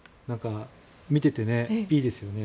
見てて、いいですよね。